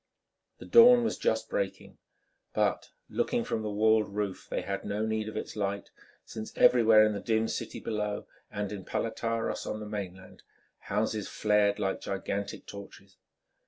The dawn was just breaking, but looking from the walled roof they had no need of its light, since everywhere in the dim city below and in Palætyrus on the mainland, houses flared like gigantic torches.